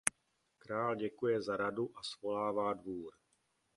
Král děkuje za radu a svolává dvůr.